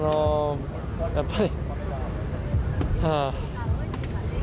やっぱり。